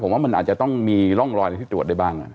ผมว่ามันอาจจะต้องมีร่องรอยอะไรที่ตรวจได้บ้าง